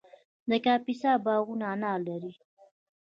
د کاپیسا باغونه انار لري.